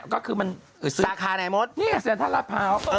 ก็คือมันสาขาไหนหมดนี่แสงท่าระพาว